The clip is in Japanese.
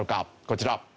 こちら。